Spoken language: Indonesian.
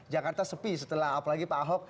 jakarta sepi setelah apalagi pak ahok